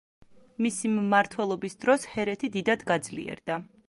მისი მმართველობის დროს ჰერეთი დიდად გაძლიერდა.